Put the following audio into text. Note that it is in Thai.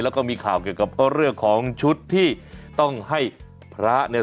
แล้วก็มีข่าวเกี่ยวกับเรื่องของชุดที่ต้องให้พระเนี่ย